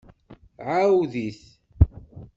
Ɛawed-it.